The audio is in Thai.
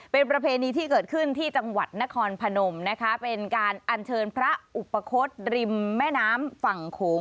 เป็นประเพณีที่เกิดขึ้นที่จังหวัดนครพนมนะคะเป็นการอัญเชิญพระอุปคศริมแม่น้ำฝั่งโขง